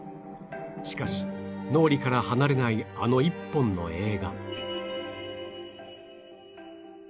しかし脳裏から離れないあの一本の映画